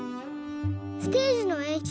ステージのえん